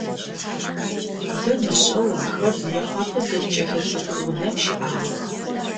Бэмышӏэу ахэр Мыекъуапэ дэт кӏэлэцӏыкӏу унэм щыӏагъэх.